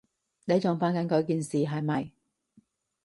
你仲煩緊佢件事，係咪？